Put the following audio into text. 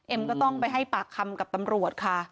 ก็ต้องไปให้ปากคำกับตำรวจค่ะ